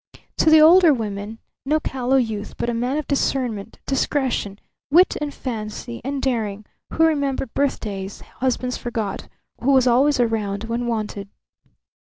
To the older women, no callow youth but a man of discernment, discretion, wit and fancy and daring, who remembered birthdays husbands forgot, who was always round when wanted.